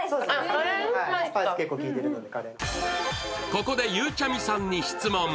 ここでゆうちゃみさんに質問。